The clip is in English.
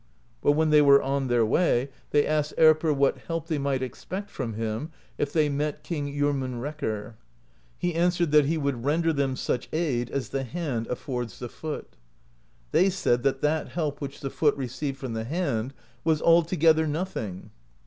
But when they were on their way, they asked Erpr what help they might expect from him, if they met Kingjormunrekkr. He answered that he would render them such aid as the hand affords the foot. They said that that help which the foot received from the hand was altogether nothing.